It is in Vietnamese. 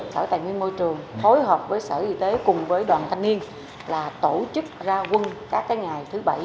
sở tài nguyên môi trường phối hợp với sở y tế cùng với đoàn thanh niên là tổ chức ra quân các ngày thứ bảy